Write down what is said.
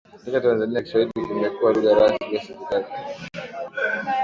Katika Tanzania Kiswahili kimekuwa lugha rasmi ya serikali